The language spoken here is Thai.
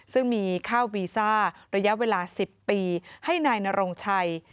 ซึ่งมีข้าววีซ่าระยะเวลา๑๐ปีให้นายนรงชัย